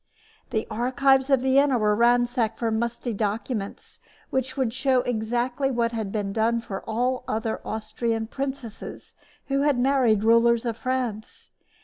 The archives of Vienna were ransacked for musty documents which would show exactly what had been done for other Austrian princesses who had married rulers of France.